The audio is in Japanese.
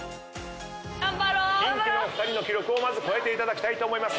キンキの２人の記録をまず超えていただきたいと思います。